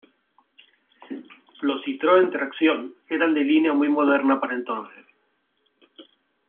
Los Citroën "Tracción" eran de línea muy moderna para entonces.